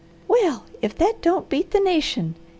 Well if that don't 'beat the nation!